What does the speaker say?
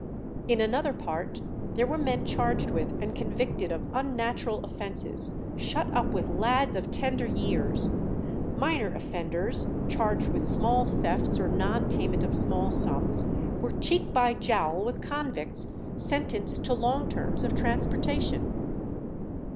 In another part there were men charged with and convicted of unnatural offences shut up with lads of tender years; minor offenders charged with small thefts or non payment of small sums were cheek by jowl with convicts sentenced to long terms of transportation.